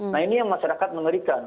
nah ini yang masyarakat mengerikan